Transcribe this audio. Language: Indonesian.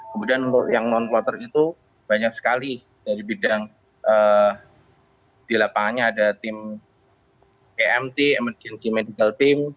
kemudian untuk yang non kloter itu banyak sekali dari bidang di lapangannya ada tim kmt emergency medical team